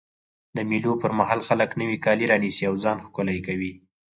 د مېلو پر مهال خلک نوی کالي رانيسي او ځان ښکلی کوي.